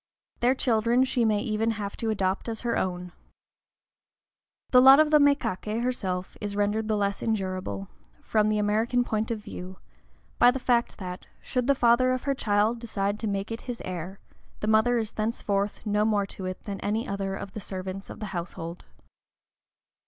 Their children she may even have to adopt as her own. The lot of the mékaké herself is rendered the less endurable, from the American point of view, by the fact that, should the father of her child decide to make it his heir, the mother is thenceforth no more to it than any other of the servants of the household.